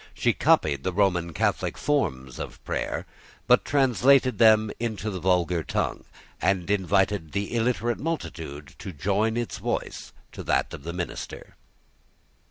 She copied the Roman Catholic forms of prayer, but translated them into the vulgar tongue, and invited the illiterate multitude to join its voice to that of the minister.